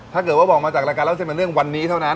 ถ้าเกิดบอกมาจากรายการเล่าเส้นเป็นเรื่องวันนี้เท่านั้น